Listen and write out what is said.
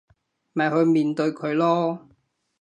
咪去面對佢囉